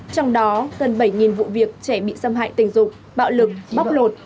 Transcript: trong đó gần bảy vụ việc trẻ bị xâm hại tình dục bạo lực bóc lột